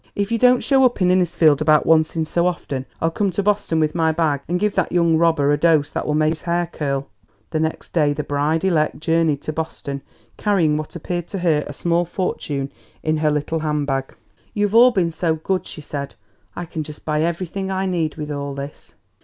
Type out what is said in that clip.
"If you don't show up in Innisfield about once in so often I'll come to Boston with my bag and give that young robber a dose that will make his hair curl." The next day the bride elect journeyed to Boston carrying what appeared to her a small fortune in her little hand bag. "You've all been so good!" she said. "I can just buy everything I need with all this."